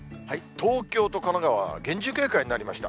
東京と神奈川は厳重警戒になりました。